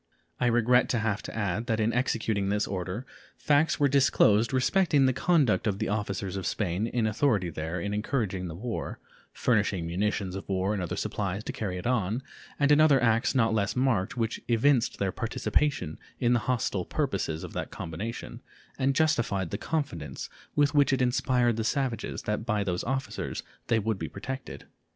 I regret to have to add that in executing this order facts were disclosed respecting the conduct of the officers of Spain in authority there in encouraging the war, furnishing munitions of war and other supplies to carry it on, and in other acts not less marked which evinced their participation in the hostile purposes of that combination and justified the confidence with which it inspired the savages that by those officers they would be protected.